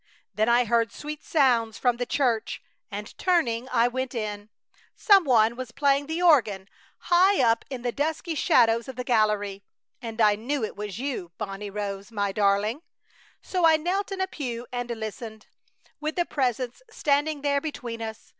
Then I heard sweet sounds from the church, and, turning, I went in. Some one was playing the organ, high up in the dusky shadows of the gallery, and I knew it was you, Bonnie Rose, my darling! So I knelt in a pew and listened, with the Presence standing there between us.